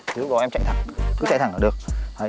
thế giới đó em chạy thẳng cứ chạy thẳng là được